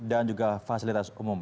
dan juga fasilitas umum